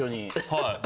はい。